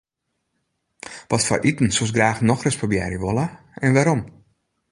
Watfoar iten soest graach nochris probearje wolle en wêrom?